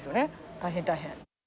大変、大変。